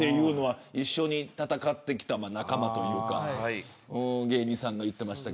一緒に戦ってきた仲間というか芸人さんが言ってました。